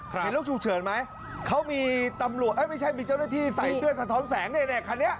มีลูกฉุกเฉินไหมเขามีตำรวจไม่ใช่มีเจ้าหน้าที่ใส่เสื้อสะท้อนแสงเนี่ยคันนี้